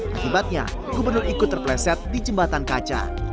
akibatnya gubernur ikut terpleset di jembatan kaca